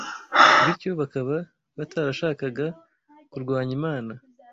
bityo bakaba batarashakaga kurwanya Imana